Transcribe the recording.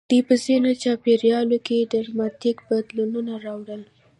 دوی په ځینو چاپېریالونو کې ډراماتیک بدلونونه راوړل.